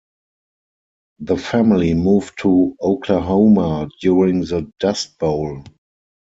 The family moved to Oklahoma during the Dust Bowl.